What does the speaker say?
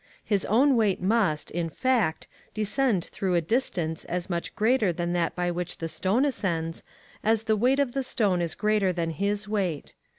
His own weight must, in fact, descend through a distance as much greater than that by which the stone ascends, as the weight of the stone is greater than his weight.